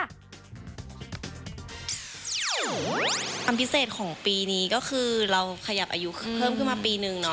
คำพิเศษของปีนี้ก็คือเราขยับอายุเพิ่มขึ้นมาปีนึงเนาะ